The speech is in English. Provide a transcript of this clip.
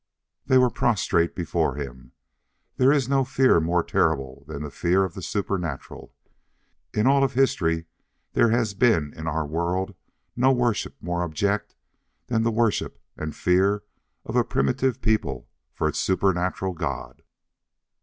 They were prostrate before him. There is no fear more terrible than the fear of the supernatural. In all of history there has been in our world no worship more abject than the worship and fear of a primitive people for its supernatural God.